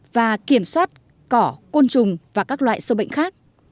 và kiểm soát cỏ côn trùng và các loại sâu bệnh khác